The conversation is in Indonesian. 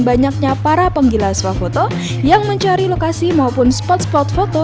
banyaknya para penggila swafoto yang mencari lokasi maupun spot spot foto